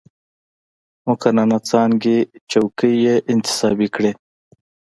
مقننه څانګې څوکۍ یې انتصابي کړې.